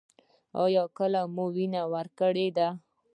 ایا کله مو وینه ورکړې ده؟